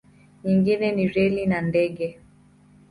Nyingine ni reli na ndege.